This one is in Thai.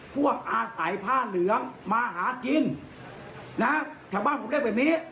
พวกอาศัยผ้าเหลืองมาหากินนะชาวบ้านผมเรียกแบบนี้